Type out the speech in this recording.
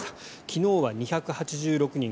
昨日は２８６人。